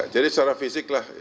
jadi secara fisik lah